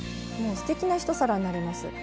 すてきな一皿になります。